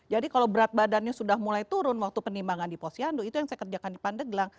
jadi kalau berat badannya sudah mulai turun waktu penimbangan diposiandu itu yang saya kerjakan pandek